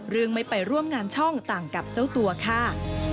ไม่ไปร่วมงานช่องต่างกับเจ้าตัวค่ะ